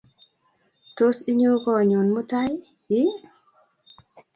Tos inyo konyon mutai ii?